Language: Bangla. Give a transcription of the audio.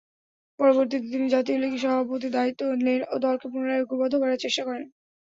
পরবর্তিতে তিনি জাতীয় লীগের সভাপতির দায়িত্ব নেন ও দলকে পুনরায় ঐক্যবদ্ধ করার চেষ্টা করেন।